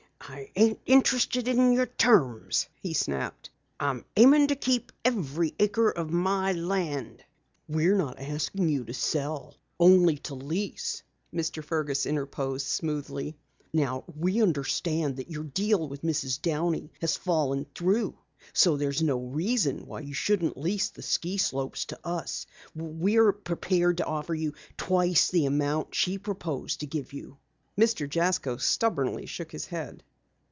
"I ain't interested in your terms," he snapped. "I'm aimin' to keep every acre of my land." "We're not asking you to sell, only to lease," Mr. Fergus interposed smoothly. "Now we understand that your deal with Mrs. Downey has fallen through, so there's no reason why you shouldn't lease the ski slopes to us. We are prepared to offer you twice the amount she proposed to give you." Mr. Jasko stubbornly shook his head.